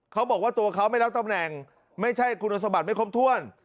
เขาบอกว่าตัวเขาไม่รับตำแหน่งไม่ใช่คุณสมบัติไม่ครบถ้วน